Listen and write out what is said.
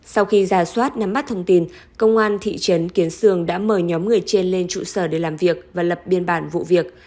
sau khi giả soát nắm bắt thông tin công an thị trấn kiến sương đã mời nhóm người trên lên trụ sở để làm việc và lập biên bản vụ việc